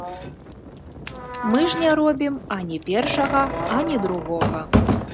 Мы ж не робім ані першага, ані другога.